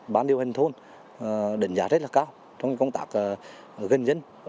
bán điều hành thôn đánh giá rất là cao trong công tác gần dân